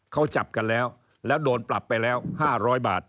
เขาจับกันแล้วแล้วโดนปรับไปแล้ว๕๐๐บาท